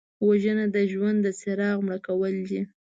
وژنه د ژوند د څراغ مړ کول دي